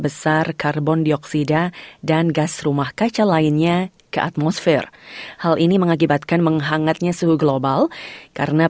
emisi gas rumah kaca yang dikeluarkan